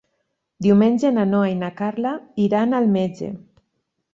Diumenge na Noa i na Carla iran al metge.